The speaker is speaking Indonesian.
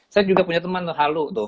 saya juga punya temen tuh halu tuh